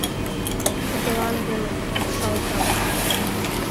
Эргылан гын упшалтат